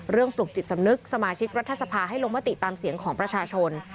ปลุกจิตสำนึกสมาชิกรัฐสภาให้ลงมติตามเสียงของประชาชน